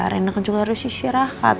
rena kan juga harus istirahat